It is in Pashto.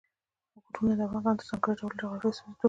غرونه د افغانستان د ځانګړي ډول جغرافیه استازیتوب کوي.